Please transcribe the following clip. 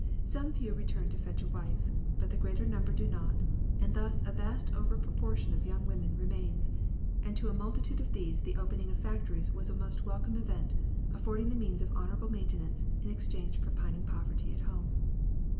Some few return to fetch a wife, but the greater number do not, and thus a vast over proportion of young women remains; and to a multitude of these the opening of factories was a most welcome event, affording means of honorable maintenance, in exchange for pining poverty at home.